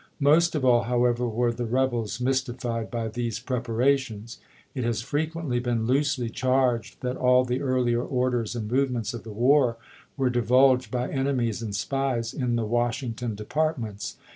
Most of all, however, were the rebels mystified by these preparations. It has frequently been loosely charged that all the earlier orders and movements of the war were divulged by enemies and spies in the Washington departments.